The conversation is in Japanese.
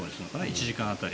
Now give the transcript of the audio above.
１時間当たり。